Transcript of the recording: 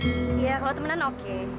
iya kalau temenan oke